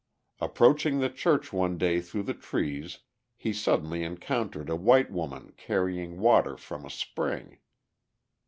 Approaching the church one day through the trees, he suddenly encountered a white woman carrying water from a spring.